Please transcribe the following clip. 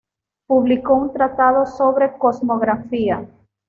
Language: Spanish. Publicó un tratado sobre cosmografía.